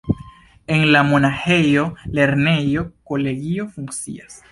En la monaĥejo lernejo-kolegio funkcias.